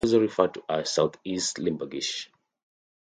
It is also referred to as Southeast Limburgish.